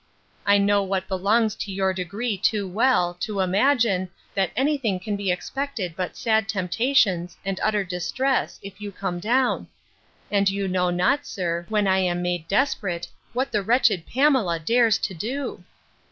I know what belongs to your degree too well, to imagine, that any thing can be expected but sad temptations, and utter distress, if you come down; and you know not, sir, when I am made desperate, what the wretched Pamela dares to do!